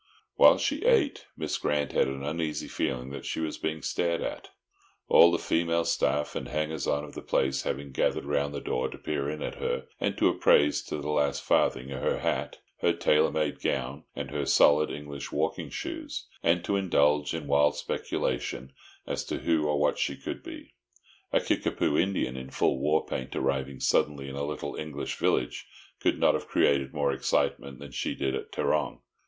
While she ate, Miss Grant had an uneasy feeling that she was being stared at; all the female staff and hangers on of the place having gathered round the door to peer in at her and to appraise to the last farthing her hat, her tailor made gown, and her solid English walking shoes, and to indulge in wild speculation as to who or what she could be. A Kickapoo Indian in full war paint, arriving suddenly in a little English village, could not have created more excitement than she did at Tarrong.